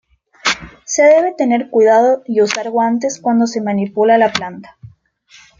Se debe tener cuidado y usar guantes cuando se manipula la planta.